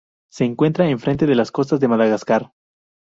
Se encuentra frente a las costas de Madagascar.